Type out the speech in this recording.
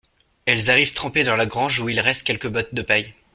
Elles arrivent trempées dans la grange où il reste quelques bottes de paille.